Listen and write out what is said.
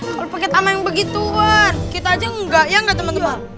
kalau pakai tameng begituan kita aja nggak ya teman teman